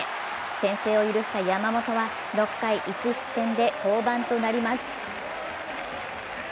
先制を許した山本は６回１失点で降板となります。